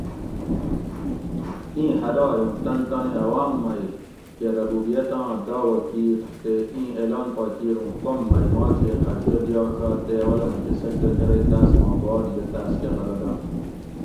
ایں حدائ اُوں تن تانی عوام مئ کہ ربوبیٔت آں دعوٰی کیر تے ایں اعلان پا کیر اُوں کوم مئ ما تھی خرچہ دیاڛات تے اولہ مکہ سجدہ کرئ تاس ما باد یہ تاس کہ غلہ دم